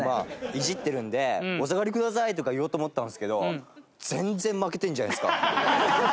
イジってるんで「お下がりください」とか言おうと思ったんですけど全然負けてんじゃないですか。